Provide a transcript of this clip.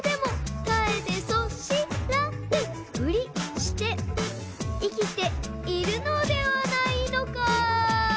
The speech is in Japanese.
「そしらぬふりして」「生きているのではないのか」